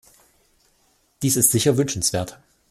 Dies ist sicher wünschenswert.